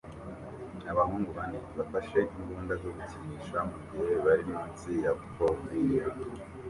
Abahungu bane bafashe imbunda zo gukinisha mugihe bari munsi ya pavillion